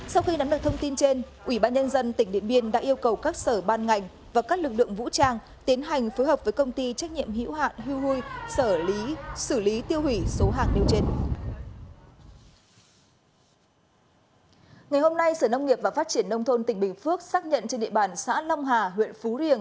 sau khi nắm được thông tin trên ủy ban nhân dân tỉnh điện biên đã yêu cầu các sở ban ngành và các lực lượng vũ trang tiến hành phối hợp với công ty trách nhiệm hữu hạn hui xử lý xử lý tiêu hủy số hàng nêu trên